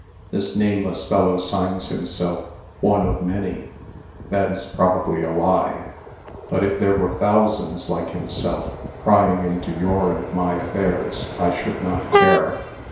This nameless fellow signs himself 'One of Many,' That is probably a lie. But if there were thousands like himself prying into your and my affairs, I should not care.